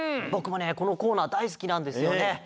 ぼくもねこのコーナーだいすきなんですよね。